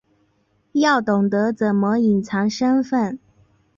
要懂得怎么隐藏身份